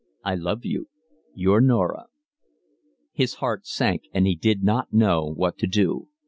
I love you. Your Norah. His heart sank, and he did not know what to do.